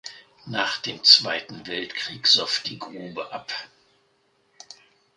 Nach dem Zweiten Weltkrieg soff die Grube ab.